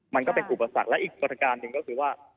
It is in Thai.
มันก็เป็นอุปสรรคและอีกประการหนึ่งก็คือว่า